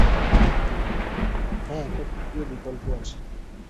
হ্যাঁ, একটা তৃতীয় বিকল্পও আছে।